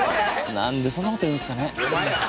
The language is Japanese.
なんでそんな事言うんですかね。